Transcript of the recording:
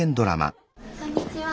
こんにちは。